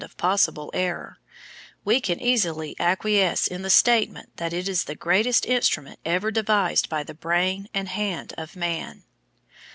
of possible error, we can easily acquiesce in the statement that it is the greatest instrument ever devised by the brain and hand of man."